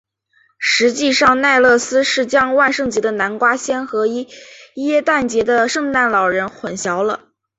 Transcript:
实际上奈勒斯是将万圣节的南瓜仙和耶诞节的圣诞老人混淆了。